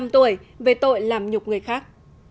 một mươi năm tuổi về tội làm nhục người khác